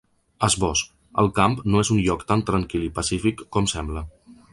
Esbós: El camp no és un lloc tan tranquil i pacífic com sembla.